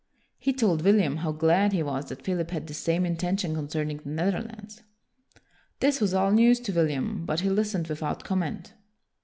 He told William how glad he was that Philip had the same intention concerning the Netherlands. This was all news to William, but he listened without comment.